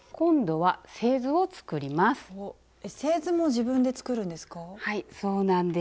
はいそうなんです。